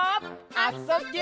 「あ・そ・ぎゅ」